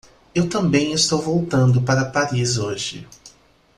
Eu também estou voltando para Paris hoje.